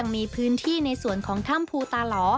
มีพื้นที่ในส่วนของถ้ำภูตาหล่อ